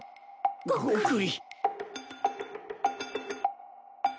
ごくり。